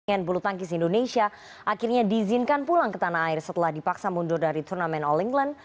pemain bulu tangkis indonesia akhirnya diizinkan pulang ke tanah air setelah dipaksa mundur dari turnamen all england